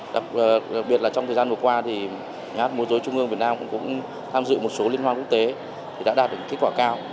đặc biệt là trong thời gian vừa qua thì nhà hát mô dối trung ương việt nam cũng tham dự một số liên hoan quốc tế đã đạt được kết quả cao